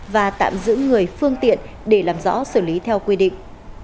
và tạm giữ người phương tiện để làm rõ xử lý theo quy định